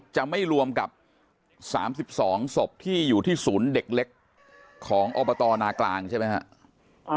จะไม่รวมกับ๓๒ศพที่อยู่ที่ศูนย์เด็กเล็กของอบตนากลางใช่ไหมครับ